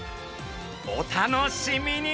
お楽しみに！